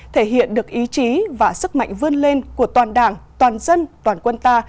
thể hiện được ý chí và sức mạnh vươn lên của toàn đảng toàn dân toàn quân ta